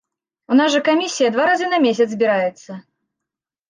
У нас жа камісія два разы на месяц збіраецца.